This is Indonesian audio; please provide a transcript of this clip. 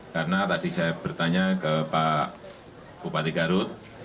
karena tadi saya bertanya ke pak bupati garut